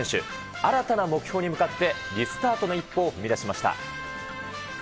新たな目標に向かってリスタートの一歩を踏み出しました。